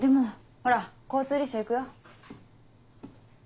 ほら交通立哨行くよ。